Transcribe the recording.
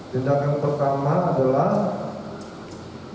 tindakan pertama adalah